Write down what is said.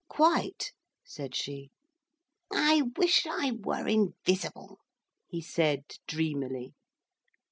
'Quite,' said she. 'I wish I were invisible,' he said dreamily.